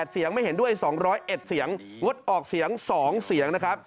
เสียงไม่เห็นด้วย๒๐๑เสียงงดออกเสียง๒เสียงนะครับ